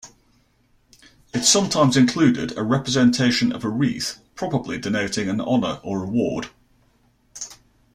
It sometimes included a representation of a wreath, probably denoting an honour or award.